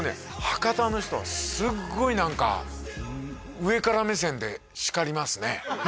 博多の人はすごい何か上から目線で叱りますね